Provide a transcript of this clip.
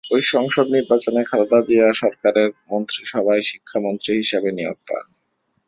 ওই সংসদ নির্বাচনে খালেদা জিয়া সরকারের মন্ত্রীসভায় শিক্ষামন্ত্রী হিসেবে নিয়োগ পান।